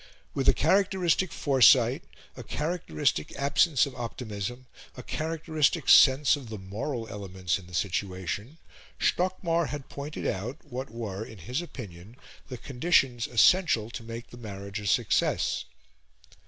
With a characteristic foresight, a characteristic absence of optimism, a characteristic sense of the moral elements in the situation, Stockmar had pointed out what were, in his opinion, the conditions essential to make the marriage a success.